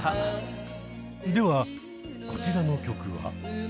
ではこちらの曲は。